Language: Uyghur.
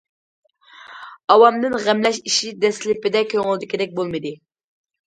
ئاۋامدىن غەملەش ئىشى دەسلىپىدە كۆڭۈلدىكىدەك بولمىدى.